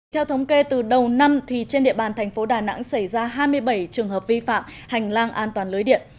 theo thống kê từ đầu năm trên địa bàn thành phố đà nẵng xảy ra hai mươi bảy trường hợp vi phạm hành lang an toàn lưới điện